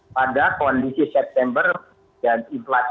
pada kondisi september dan inflasi